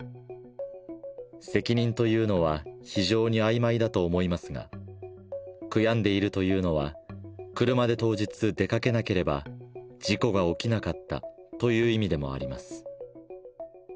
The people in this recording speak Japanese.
責任というのは非常にあいまいだと思いますが、悔やんでいるというのは、車で当日出かけなければ、事故が起きなかったという意味でもあります。